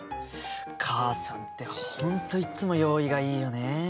母さんって本当いつも用意がいいよね。